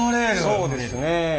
そうですね。